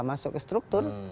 masuk ke struktur